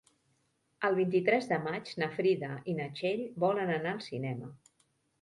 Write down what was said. El vint-i-tres de maig na Frida i na Txell volen anar al cinema.